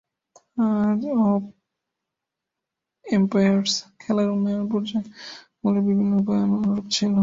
"Age of Empires" খেলার উন্নয়ন পর্যায়গুলি বিভিন্ন উপায়ে অনুরূপ ছিল।